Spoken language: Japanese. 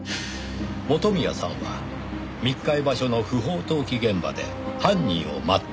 元宮さんは密会場所の不法投棄現場で犯人を待っていた。